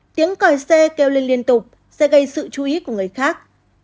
tiếng còi xe keo lên liên tục sẽ gây sự chú ý của người khác